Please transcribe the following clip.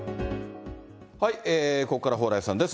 ここからは蓬莱さんです。